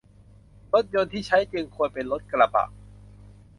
รถยนต์ที่ใช้จึงควรเป็นรถกระบะ